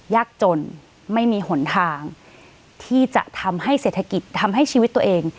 ยากจนไม่มีหนทางที่จะทำให้เศรษฐกิจทำให้ชีวิตตัวเอง